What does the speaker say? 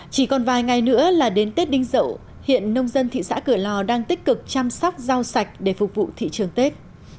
chỉ còn vài ngày nữa là đến tết đinh dậu hiện nông dân thị xã cửa lò đang tích cực chăm sóc rau sạch để phục vụ thị trường tết